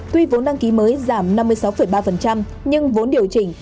tuy vốn đăng ký mới giảm năm mươi sáu ba nhưng vốn điều chỉnh